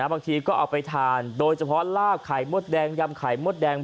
บางทีก็เอาไปทานโดยเฉพาะลาบไข่มดแดงยำไข่มดแดง